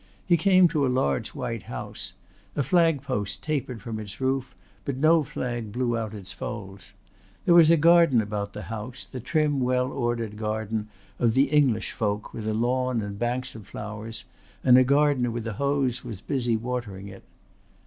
He came to a large white house. A flagpost tapered from its roof but no flag blew out its folds. There was a garden about the house, the trim well ordered garden of the English folk with a lawn and banks of flowers, and a gardener with a hose was busy watering it.